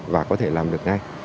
và có thể làm được ngay